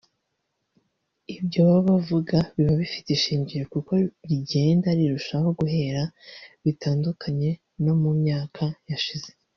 ibyo baba bavuga biba bifite ishingiro kuko rigenda rirushaho guhenda bitandukanye no mu myaka yashize